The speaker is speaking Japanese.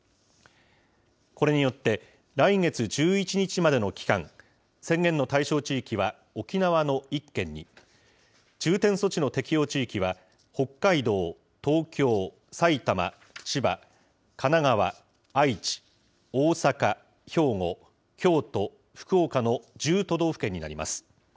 これによって、来月１１日までの期間、宣言の対象地域は沖縄の１県に、重点措置の適用地域は北海道、東京、埼玉、千葉、神奈川、愛知、大阪、兵庫、京都、福岡の１０都道府県になります。